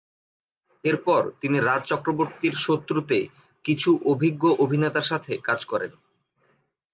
এরপর তিনি রাজ চক্রবর্তীর শত্রু তে কিছু অভিজ্ঞ অভিনেতার সাথে কাজ করেন।